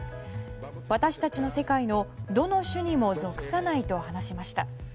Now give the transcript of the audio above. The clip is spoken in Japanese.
私たちの世界のどの種にも属さないと話しました。